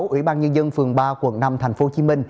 ủy ban nhân dân phường ba quận năm tp hcm